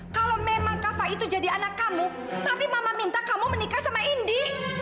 kalau memang kava itu jadi anak kamu tapi mama minta kamu menikah sama indi